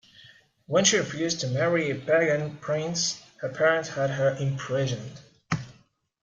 When she refused to marry a pagan prince, her parents had her imprisoned.